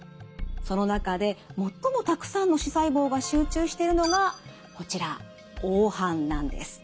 その中で最もたくさんの視細胞が集中してるのがこちら黄斑なんです。